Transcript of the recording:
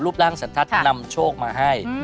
ร่างสันทัศน์นำโชคมาให้